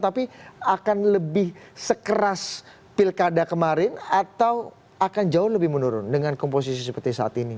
tapi akan lebih sekeras pilkada kemarin atau akan jauh lebih menurun dengan komposisi seperti saat ini